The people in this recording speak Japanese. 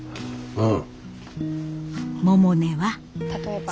うん。